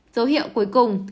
dấu hiệu cuối cùng